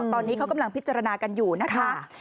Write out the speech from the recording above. ตอนนี้เขากำลังพิจารณากันอยู่นะคะ